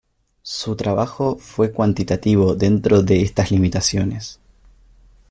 Su trabajo fue cuantitativo dentro de estas limitaciones.